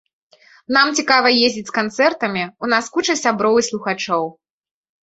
Нам цікава ездзіць з канцэртамі, у нас куча сяброў і слухачоў.